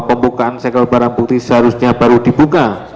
pembukaan segel barang bukti seharusnya baru dibuka